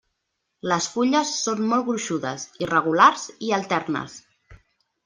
Les fulles són molt gruixudes, irregulars i alternes.